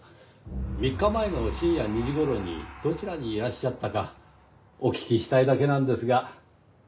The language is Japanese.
３日前の深夜２時頃にどちらにいらっしゃったかお聞きしたいだけなんですが。